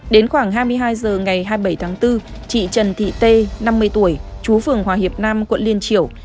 đến khoảng hai mươi hai h ngày hai mươi bảy tháng bốn chị trần thị t năm mươi tuổi trú phường hòa hiệp nam quận liên triều